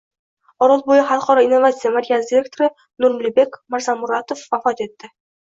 Orolbo‘yi xalqaro innovatsiya markazi direktori Nurlibek Mirzamuratov vafot etdi